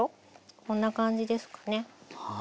こんな感じですかね。